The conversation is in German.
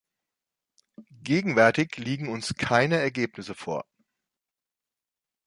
Gegenwärtig liegen uns keine Ergebnisse vor.